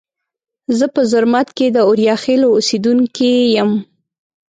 زه په زرمت کې د اوریاخیلو اوسیدونکي یم.